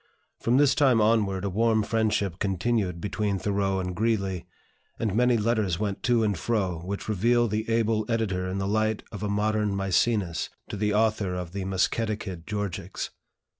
From this time onward a warm friendship continued between Thoreau and Greeley, and many letters went to and fro, which reveal the able editor in the light of a modern Mæcenas to the author of the Musketaquid Georgics.